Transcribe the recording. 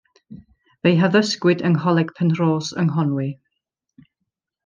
Fe'i haddysgwyd yng Ngholeg Penrhos yng Nghonwy.